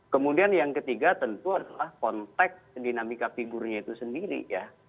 kemudian yang ketiga tentu adalah konteks dinamika figurnya itu sendiri ya